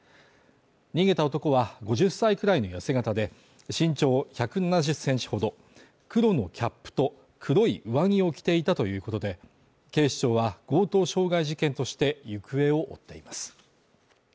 逃げた男は５０歳くらいのやせ型で、身長１７０センチほど黒のキャップと黒い上着を着ていたということで、警視庁は強盗傷害事件として行方を追っています。